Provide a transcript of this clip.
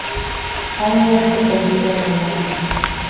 Aún hoy se conserva la lápida.